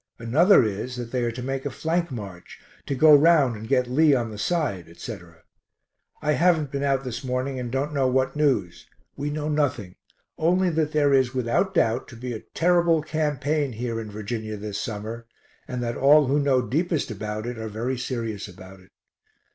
Another is that they are to make a flank march, to go round and get Lee on the side, etc. I haven't been out this morning and don't know what news we know nothing, only that there is without doubt to be a terrible campaign here in Virginia this summer, and that all who know deepest about it are very serious about it.